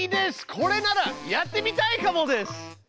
これならやってみたいかもです。